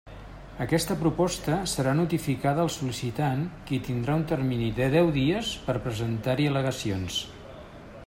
Aquesta proposta serà notificada al sol·licitant qui tindrà un termini de deu dies per presentar-hi al·legacions.